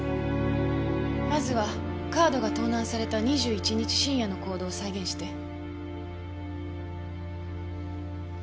まずはカードが盗難された２１日深夜の行動を再現して。